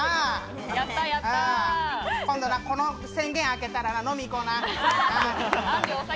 今度、この宣言が明けたら飲みに行こうな！